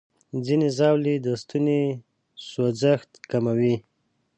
ځینې ژاولې د ستوني سوځښت کموي.